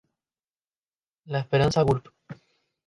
La Esperanza, Urb.